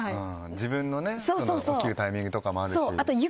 自分の起きるタイミングとかもあるし